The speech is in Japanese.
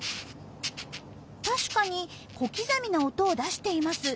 確かに小刻みな音を出しています。